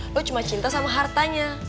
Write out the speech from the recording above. gue cuma cinta sama hartanya